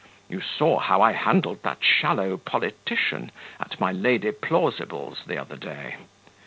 You saw how I handled that shallow politician at my Lady Plausible's the other day.